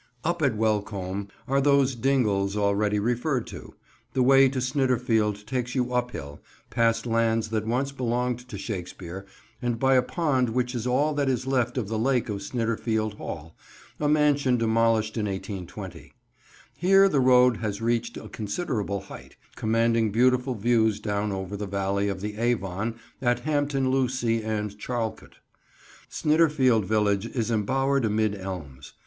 Up at Welcombe are those Dingles already referred to. The way to Snitterfield takes you uphill, past lands that once belonged to Shakespeare, and by a pond which is all that is left of the lake of Snitterfield Hall, a mansion demolished in 1820. Here the road has reached a considerable height, commanding beautiful views down over the valley of the Avon at Hampton Lucy and Charlecote. [Picture: Leicester's Hospital, Warwick] Snitterfield village is embowered amid elms.